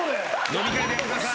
飲み会でやってください。